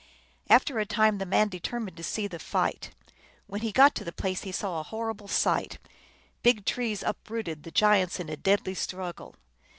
After a time the man determined to see the fight. When he got to the place he saw a horrible sight: big trees uprooted, the giants in a deadly struggle.